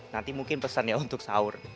nanti mungkin pesannya untuk sahur